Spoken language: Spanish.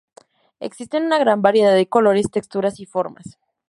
Existen una gran variedad de colores, texturas y formas.